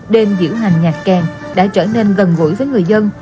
đêm diễu hành nhạc kèn đã trở nên gần gũi với người dân